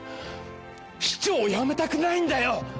市長を辞めたくないんだよ！